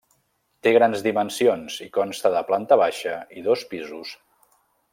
Té grans dimensions i consta de planta baixa i dos pisos.